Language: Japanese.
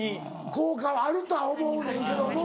効果はあるとは思うねんけども。